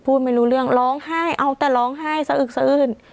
พูดไม่รู้เรื่องร้องไห้เอาแต่ร้องไห้สะอึกสะอื้น